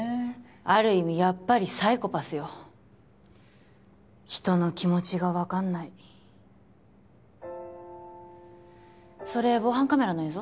ある意味やっぱりサイコパスよ人の気持ちが分かんないそれ防犯カメラの映像？